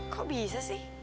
kok bisa sih